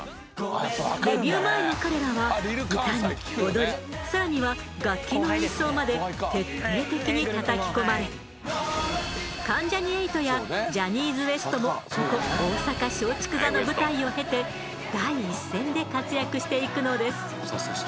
デビュー前の彼らは歌に踊り更には楽器の演奏まで徹底的にたたき込まれ関ジャニ∞やジャニーズＷＥＳＴもここ大阪松竹座の舞台を経て第一線で活躍していくのです。